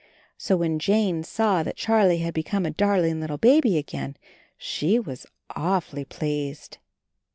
So when Jane saw that Charlie had become a dar ling little baby again she was awfully pleased.